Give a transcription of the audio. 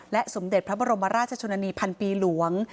สมเด็จพระบรมราชชนนานีพันปีหลวง